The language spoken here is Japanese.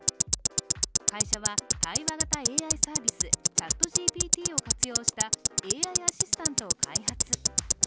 会社は対話型ＡＩサービスＣｈａｔＧＰＴを活用したＡＩアシスタントを開発。